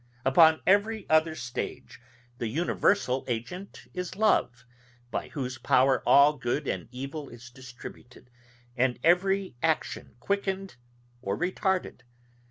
Upon every other stage the universal agent is love, by whose power all good and evil is distributed, and every action quickened or retarded.